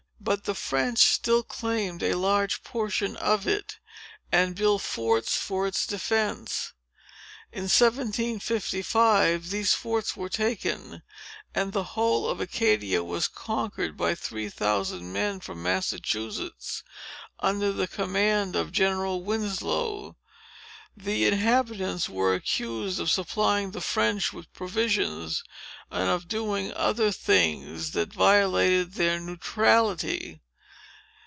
But the French still claimed a large portion of it, and built forts for its defence. In 1755, these forts were taken, and the whole of Acadia was conquered, by three thousand men from Massachusetts, under the command of General Winslow. The inhabitants were accused of supplying the French with provisions, and of doing other things that violated their neutrality.